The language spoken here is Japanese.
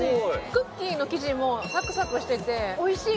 クッキーの生地もサクサクしてておいしい